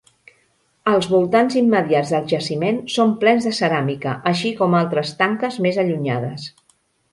Els voltants immediats del jaciment són plens de ceràmica, així com altres tanques més allunyades.